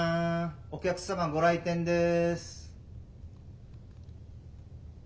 お客様ご来店です。